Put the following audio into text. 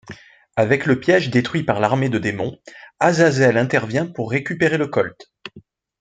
Avec le piège détruit par l'armée de démons, Azazel intervient pour récupérer le Colt.